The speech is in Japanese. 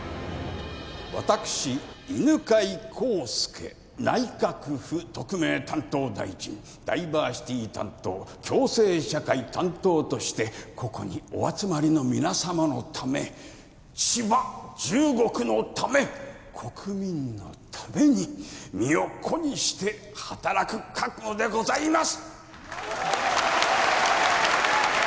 私犬飼孝介内閣府特命担当大臣ダイバーシティー担当共生社会担当としてここにお集まりの皆様のため千葉１５区のため国民のために身を粉にして働く覚悟でございます！